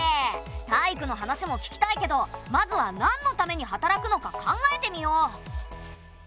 タイイクの話も聞きたいけどまずはなんのために働くのか考えてみよう。